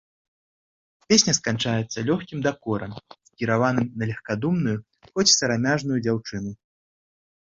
Песня сканчаецца лёгкім дакорам, скіраваным на легкадумную, хоць і сарамяжную дзяўчыну.